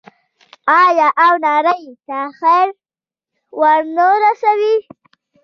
آیا او نړۍ ته خیر ورنه رسوي؟